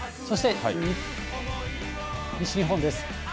そして西日本です。